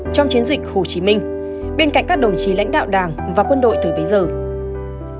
trong chiến dịch hồ chí minh bên cạnh các đồng chí lãnh đạo đảng và quân đội thời bấy giờ